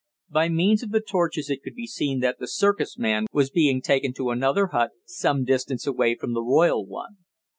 By means of the torches it could be seen that the circus man was being taken to another hut, some distance away from the royal one.